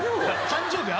誕生日？